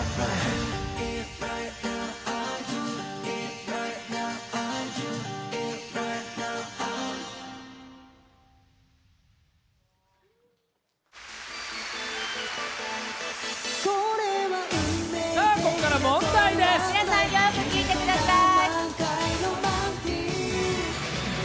皆さんよく聴いてください。